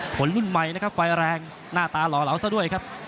คนรุ่นใหม่นะครับไฟแรงหน้าตาหล่อเหลาซะด้วยครับ